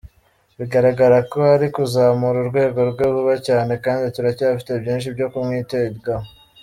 Bigaragara ko ari kuzamura urwego rwe vuba cyane kandi turacyafite byinshi byo kumwitegaho.